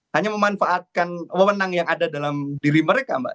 hanya memanfaatkan wewenang yang ada dalam diri mereka mbak